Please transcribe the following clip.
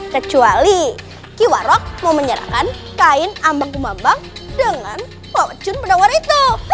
kecuali kiwarok mau menyerahkan kain ambang ambang dengan wajun penawar itu